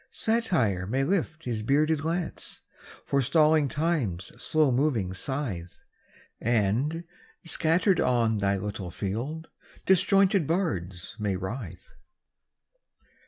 Satire may lift his bearded lance, Forestalling Time's slow moving scythe, And, scattered on thy little field, Disjointed bards may writhe.